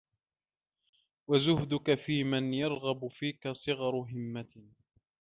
وَزُهْدُك فِيمَنْ يَرْغَبُ فِيك صِغَرُ هِمَّةٍ